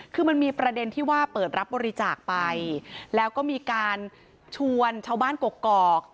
คือมันมีประเด็นที่ว่าเปิดรับบริจาคไปแล้วก็มีการชวนชาวบ้านกกอก